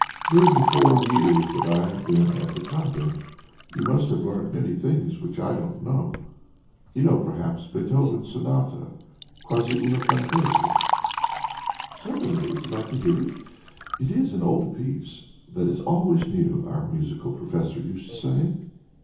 During the four years that I have been at the convent you must have learnt many things which I don't know. You know, perhaps, Beethoven's Sonata 'Quasi una fantasia.'" "Certainly. Would you like to hear it? 'It is an old piece that is always new,' our musical professor used to say."